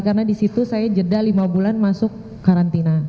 karena disitu saya jeda lima bulan masuk karantina